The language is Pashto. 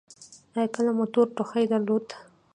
ایا کله مو تور ټوخی درلود؟